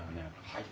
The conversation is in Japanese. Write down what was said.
はい。